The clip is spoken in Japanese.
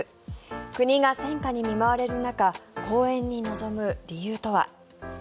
国が戦火に見舞われる中公演に臨む理由とは。